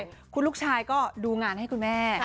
ธุรกิจครอบครัวคุณลูกชายก็ดูงานให้คุณแม่